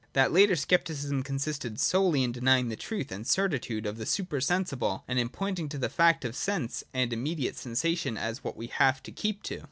That later Scepticism consisted solely in denying the truth and certitude of the super sensible, and in pointing to the facts of sense and of immediate sensations as what we have to keep to.